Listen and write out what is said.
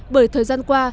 bởi thời gian qua